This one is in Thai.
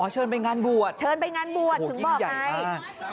อ๋อเชิญไปงานบวชเชิญไปงานบวชถึงบอกไงโอ้โหยิ้มใหญ่มาก